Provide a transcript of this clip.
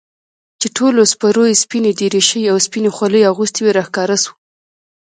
چې ټولو سپرو يې سپينې دريشۍ او سپينې خولۍ اغوستې وې راښکاره سوه.